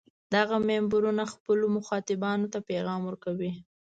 دغه منبرونه خپلو مخاطبانو ته پیغام ورکوي.